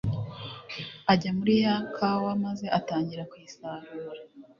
Ajya muri ya kawa maze atangira kuyisarura